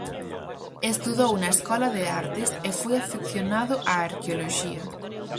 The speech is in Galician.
Estudou na Escola de Artes e foi afeccionado á arqueoloxía.